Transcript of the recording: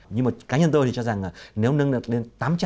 nhưng mà cá nhân tôi thì cho rằng nếu nâng được đến tám trăm linh